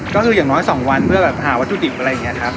ก็คืออย่างน้อย๒วันเพื่อแบบหาวัตถุดิบอะไรอย่างนี้ครับ